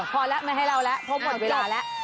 พอแล้วไม่ให้เราแล้วเพราะหมดเวลาแล้ว